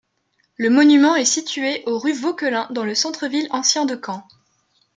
Le monument est situé au rue Vauquelin, dans le centre-ville ancien de Caen.